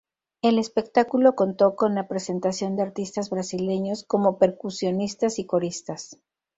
El espectáculo contó con la presentación de artistas brasileños, como percusionistas y coristas.